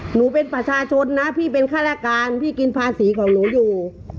หนูเป็นประชาชนนะพี่เป็นฆาตการพี่กินภาษีของหนูอยู่